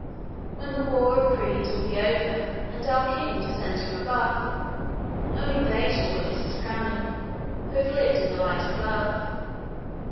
When the war of creeds will be over, And our King descends from above, Only they shall witness His crowning, Who have lived in the light of love.